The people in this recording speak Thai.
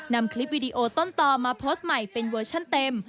นำคลิปวิดีโอต้นต่อมาโพสต์ใหม่เป็นเวอร์ชั่นเต็ม